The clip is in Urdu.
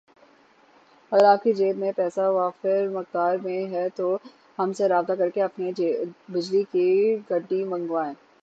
اگر آپ کی جیب میں پیسہ وافر مقدار میں ھے تو ہم سے رابطہ کرکے اپنی لئے بجلی کی گڈی منگوائیں